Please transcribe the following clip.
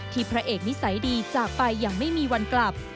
พระเอกนิสัยดีจากไปอย่างไม่มีวันกลับ